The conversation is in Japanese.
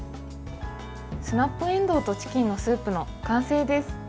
スナップえんどうとチキンのスープの完成です。